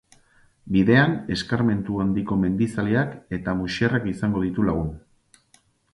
Bidean, eskarmentu handiko mendizaleak eta musherrak izango ditu lagun.